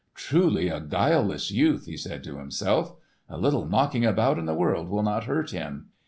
"Truly a guileless youth," he said to himself. "A little knocking about in the world will not hurt him.